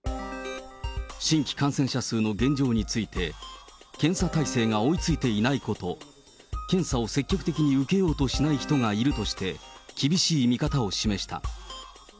新規感染者数の現状について、検査態勢が追いついていないこと、検査を積極的に受けようとしない人がいるとして、厳しい見方を示した。